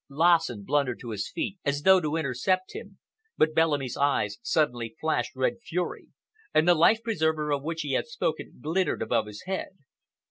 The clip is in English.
Lassen blundered to his feet as though to intercept him, but Bellamy's eyes suddenly flashed red fury, and the life preserver of which he had spoken glittered above his head.